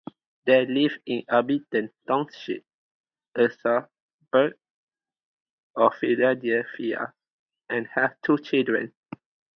They live in Abington Township, a suburb of Philadelphia, and have two children.